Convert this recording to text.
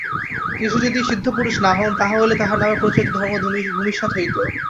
যীশু যদি সিদ্ধপুরুষ না হন, তাহা হইলে তাঁহার নামে প্রচারিত ধর্ম ভূমিসাৎ হইত।